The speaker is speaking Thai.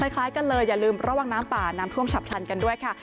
คล้ายกันเลยอย่าลืมระวังน้ำป่าน้ำท่วมฉับพลันกันด้วยค่ะ